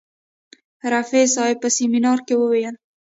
رفیع صاحب په سیمینار کې وویل.